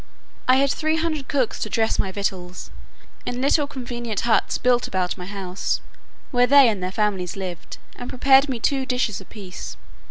I had three hundred cooks to dress my victuals, in little convenient huts built about my house, where they and their families lived, and prepared me two dishes a piece.